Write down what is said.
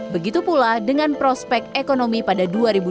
begitu pula dengan prospek ekonomi pada dua ribu dua puluh